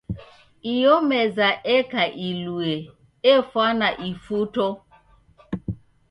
Iyo meza eka ilue efwana ifuto.